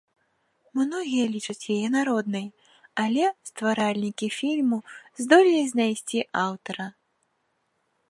Многія лічаць яе народнай, але стваральнікі фільму здолелі знайсці аўтара.